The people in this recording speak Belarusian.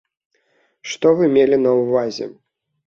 Што вы мелі на ўвазе?